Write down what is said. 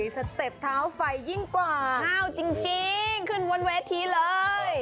สเต็ปเท้าไฟยิ่งกว่าอ้าวจริงขึ้นบนเวทีเลย